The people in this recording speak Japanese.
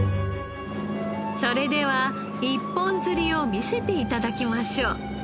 それでは一本釣りを見せて頂きましょう。